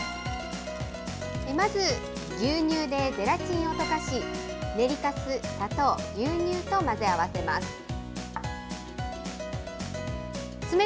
まず牛乳でゼラチンを溶かし、練りかす、砂糖、牛乳と混ぜ合わせます。